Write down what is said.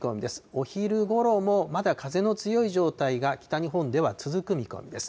お昼ごろも、まだ風の強い状態が北日本では続く見込みです。